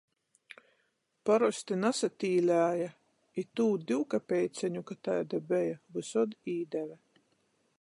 Parosti nasatīlēja i tū divkapeiceņu, ka taida beja, vysod īdeve.